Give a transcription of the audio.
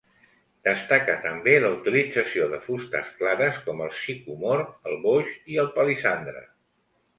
Destaca també la utilització de fustes clares com el sicòmor, el boix i el palissandre.